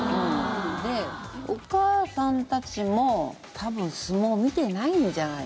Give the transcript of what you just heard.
でお母さんたちも多分相撲見てないんじゃないかな。